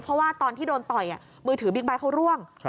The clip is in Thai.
เพราะว่าตอนที่โดนต่อยมือถือบิ๊กไบท์เขาร่วง